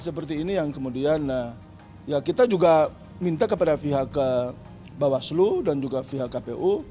seperti ini yang kemudian ya kita juga minta kepada pihak bawaslu dan juga pihak kpu